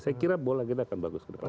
saya kira bola kita akan bagus ke depan